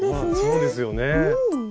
そうですよね。